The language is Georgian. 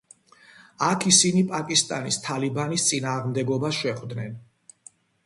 იქ ისინი პაკისტანის თალიბანის წინააღმდეგობას შეხვდნენ.